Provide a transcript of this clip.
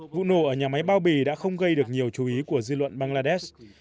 vụ nổ ở nhà máy bao bì đã không gây được nhiều chú ý của dư luận bangladesh